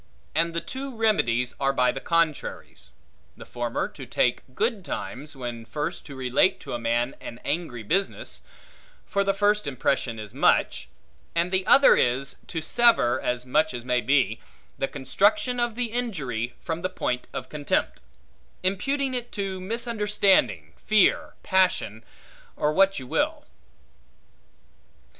And the two remedies are by the contraries. The former to take good times, when first to relate to a man an angry business; for the first impression is much; and the other is, to sever, as much as may be, the construction of the injury from the point of contempt; imputing it to misunderstanding, fear, passion, or what you will.